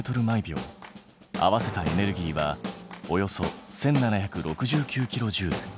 合わせたエネルギーはおよそ１，７６９キロジュール。